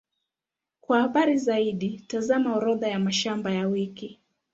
Kwa habari zaidi, tazama Orodha ya mashamba ya wiki.